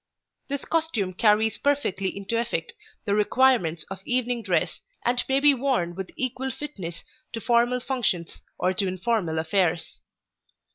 This costume carries perfectly into effect the requirements of evening dress, and may be worn with equal fitness to formal functions or to informal affairs.